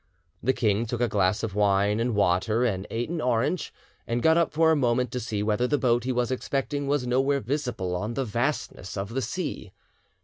The king took a glass of wine and water and ate an orange, and got up for a moment to see whether the boat he was expecting was nowhere visible on the vastness of the sea.